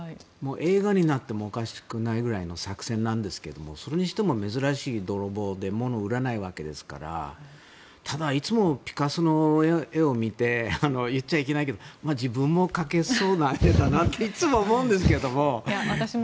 映画になってもおかしくないぐらいの作戦なんですけどもそれにしても珍しい泥棒で物を売らないわけですからただ、いつもピカソの絵を見て言っちゃいけないけど自分も描けそうな絵だなっていつも思うんですけども。